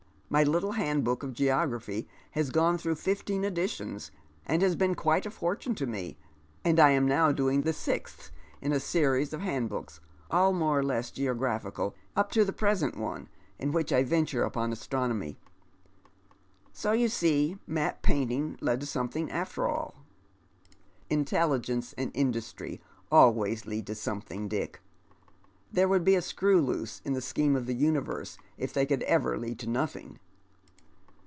My little handbook of geography has gone through fifteen editions, and has been quite a fortune to me, and I am now doing the sixth in a series of handbooks, all more or less geographical, up to the present one, in which I venture upon astronomy. So you see map paiating led to something after all." " Intelligence and industry always lead to something, Dick. Tliere would be a screw loose in the scheme of the universe if tliey could ever lead to nothing."